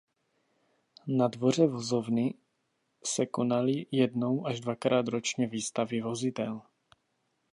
Na dvoře vozovny se konaly jednou až dvakrát ročně výstavy vozidel.